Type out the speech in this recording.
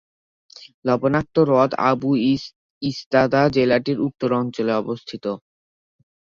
লবণাক্ত হ্রদ আবু-ই-ইস্তাদা জেলাটির উত্তর অঞ্চলে অবস্থিত।